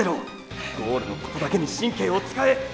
ゴールのことだけに神経を使え！